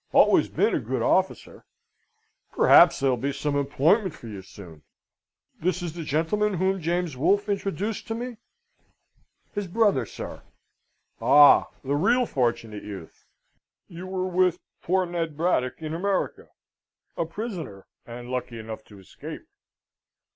Always been a good officer; perhaps there'll be some employment for you soon. This is the gentleman whom James Wolfe introduced to me?" "His brother, sir." "Oh, the real Fortunate Youth! You were with poor Ned Braddock in America a prisoner, and lucky enough to escape.